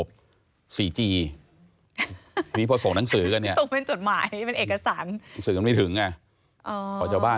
เดี๋ยวนี้มันยุค๔๐เนาะ